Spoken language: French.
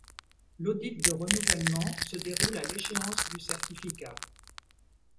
L’audit de renouvellement se déroule à l’échéance du certificat.